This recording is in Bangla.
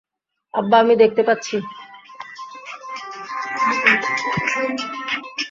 আব্বা আমি দেখতে পাচ্ছি।